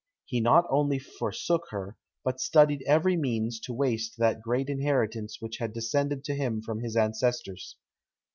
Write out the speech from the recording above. He not only forsook her, but studied every means to waste that great inheritance which had descended to him from his ancestors.